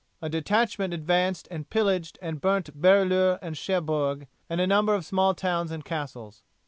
A detachment advanced and pillaged and burnt Barileur and Cherbourg and a number of small towns and castles.